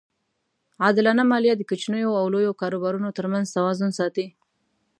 عادلانه مالیه د کوچنیو او لویو کاروبارونو ترمنځ توازن ساتي.